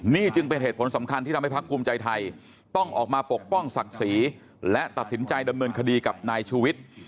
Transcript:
นี่จึงเป็นเหตุผลสำคัญที่ทำให้พักภูมิใจไทยต้องออกมาปกป้องศักดิ์ศรีและตัดสินใจดำเนินคดีกับนายชูวิทย์